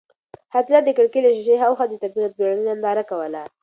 حیات الله د کړکۍ له شیشې هاخوا د طبیعت بېړنۍ ننداره کوله.